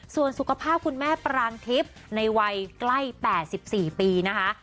ส่วนสุขภาพคุณแม่ปรางทิพย์ในวัยใกล้๘๔ปีนะคะ